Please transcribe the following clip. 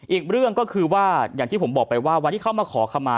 อีกเรื่องก็คือว่าอย่างที่ผมบอกไปว่าวันที่เข้ามาขอคำมา